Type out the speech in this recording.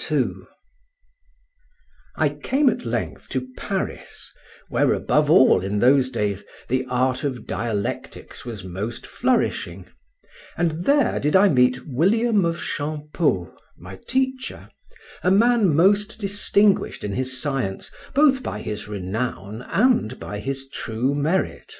GENEVIÈVE OF HIS JOURNEY TO HIS OLD HOME I came at length to Paris, where above all in those days the art of dialectics was most flourishing, and there did I meet William of Champeaux, my teacher, a man most distinguished in his science both by his renown and by his true merit.